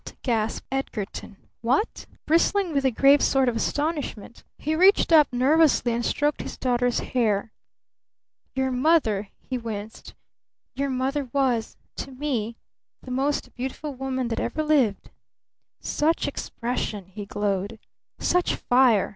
gasped Edgarton. "What?" Bristling with a grave sort of astonishment he reached up nervously and stroked his daughter's hair. "Your mother," he winced. "Your mother was to me the most beautiful woman that ever lived! Such expression!" he glowed. "Such fire!